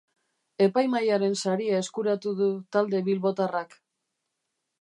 Epaimahaiaren saria eskuratu du talde bilbotarrak.